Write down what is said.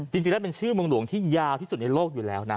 จริงแล้วเป็นชื่อเมืองหลวงที่ยาวที่สุดในโลกอยู่แล้วนะ